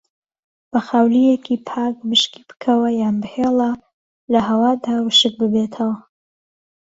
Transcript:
بە خاولیەکی پاک وشکی بکەوە یان بهێڵە لەهەوادا وشک ببێتەوە.